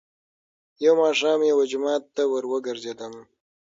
. يو ماښام يوه جومات ته ور وګرځېدم،